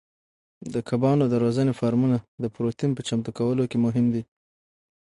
د کبانو د روزنې فارمونه د پروتین په چمتو کولو کې مهم دي.